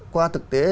qua thực tế